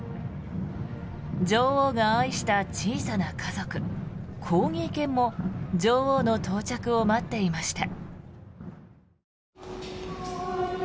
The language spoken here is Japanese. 女王が愛した小さな家族コーギー犬も女王の到着を待っていました。